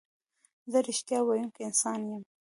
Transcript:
زه رښتیا ویونکی انسان یم.